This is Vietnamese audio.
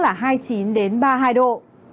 cao nhất là hai mươi chín đến ba mươi hai độ